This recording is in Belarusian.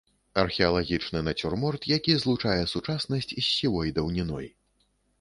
Археалагічны нацюрморт, які злучае сучаснасць з сівой даўніной.